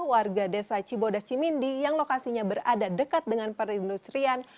warga desa cibodas cimindi yang lokasinya berada dekat dengan perindustrian